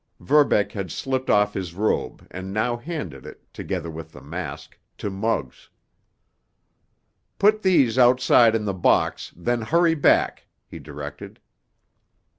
Verbeck had slipped off his robe, and now handed it, together with the mask, to Muggs. "Put these outside in the box, then hurry back," he directed.